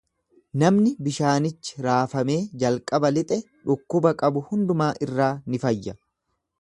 Namni bishaanichi raafamee jalqaba lixe dhukkuba qabu hundumaa irraa ni fayya.